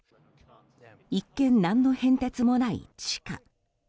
一見、何の変哲もない地下。